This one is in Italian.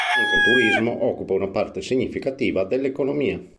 Anche il turismo occupa una parte significativa dell'economia.